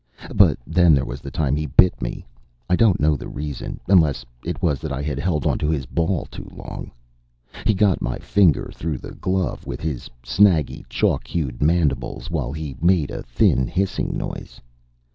But then there was the time when he bit me. I don't know the reason, unless it was that I had held onto his ball too long. He got my finger, through the glove, with his snaggy, chalk hued mandibles, while he made a thin hissing noise.